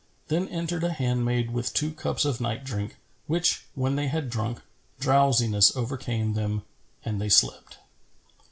Then entered a handmaid with two cups[FN#410] of night drink, which when they had drunk, drowsiness overcame them and they slept.